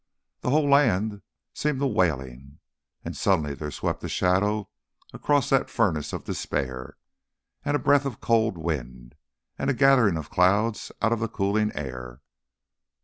The whole land seemed a wailing, and suddenly there swept a shadow across that furnace of despair, and a breath of cold wind, and a gathering of clouds, out of the cooling air.